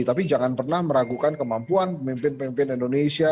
tapi jangan pernah meragukan kemampuan pemimpin pemimpin indonesia